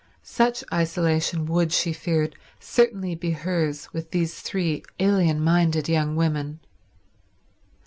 Such isolation would, she feared, certainly be hers with these three alien minded young women.